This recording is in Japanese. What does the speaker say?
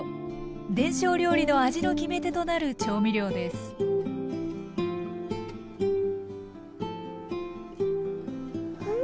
伝承料理の味の決め手となる調味料ですうん！